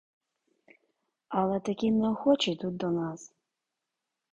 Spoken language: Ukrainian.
Але такі неохоче йдуть до нас.